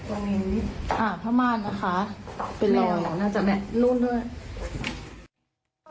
อ่าผ้าม่านนะคะเป็นรอย